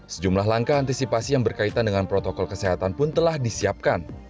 sejumlah langkah antisipasi yang berkaitan dengan protokol kesehatan pun telah disiapkan